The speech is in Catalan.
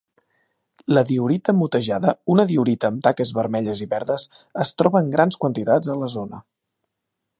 La diorita motejada, una diorita amb taques vermelles i verdes, és troba en grans quantitats a la zona.